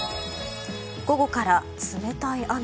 午後から冷たい雨。